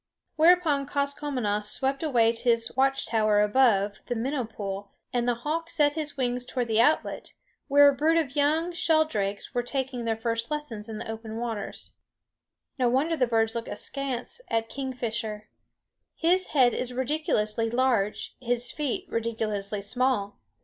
Whereupon Koskomenos swept away to his watchtower above the minnow pool, and the hawk set his wings toward the outlet, where a brood of young sheldrakes were taking their first lessons in the open water. No wonder the birds look askance at Kingfisher. His head is ridiculously large; his feet ridiculously small.